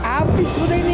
abis udah ini